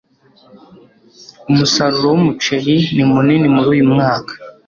umusaruro wumuceri ni munini muri uyu mwaka